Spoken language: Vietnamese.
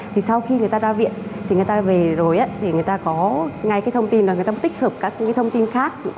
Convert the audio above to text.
thì sau khi người ta ra viện thì người ta về rồi để người ta có ngay cái thông tin là người ta tích hợp các cái thông tin khác